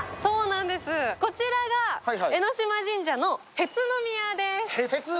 こちらが江島神社の辺津宮です。